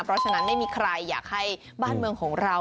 เพราะฉะนั้นไม่มีใครอยากให้บ้านเมืองของเรา